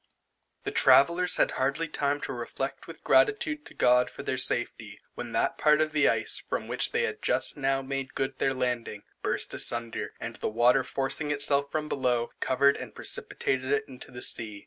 The travellers had hardly time to reflect with gratitude to God for their safety, when that part of the ice from which they had just now made good their landing, burst asunder, and the water forcing itself from below, covered and precipitated it into the sea.